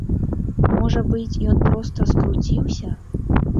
Можа быць, ён проста скруціўся?